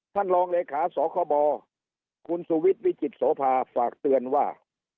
ท่านรองเลขาสคบคุณสุวิทย์วิจิตโสภาฝากเตือนว่า